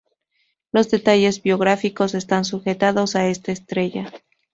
Los detalles biográficos están sujetados a esta estrella.